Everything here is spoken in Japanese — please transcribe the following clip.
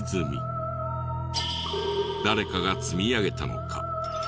誰かが積み上げたのか？